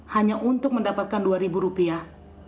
hanya untuk mendapatkan dua ribu rupiah